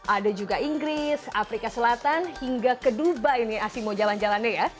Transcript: ada juga inggris afrika selatan hingga ke duba ini asimo jalan jalannya ya